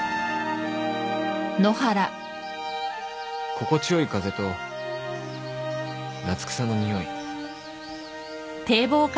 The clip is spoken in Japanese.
心地よい風と夏草の匂い